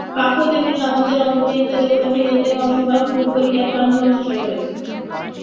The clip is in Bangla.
পাপও তেমনি আমাদের অন্তর্নিহিত দেবভাব হইতে পশুভাব দূর করিবার প্রাণপণ চেষ্টা।